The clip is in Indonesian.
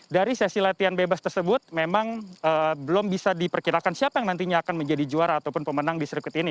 dari sesi latihan bebas tersebut memang belum bisa diperkirakan siapa yang nantinya akan menjadi juara ataupun pemenang di sirkuit ini